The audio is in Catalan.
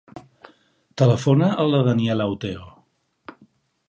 Telefona a la Daniela Oteo.